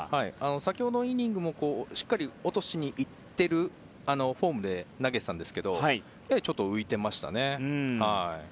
先ほどのイニングもしっかり落としにいっているフォームで投げてたんですがちょっと浮いていましたね。